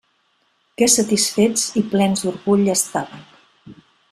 Que satisfets i plens d'orgull estaven!